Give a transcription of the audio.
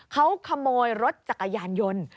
เขาขโมยรถจักรยานยนต์